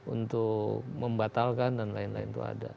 untuk membatalkan dan lain lain itu ada